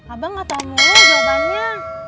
abang nggak tahu mulu jawabannya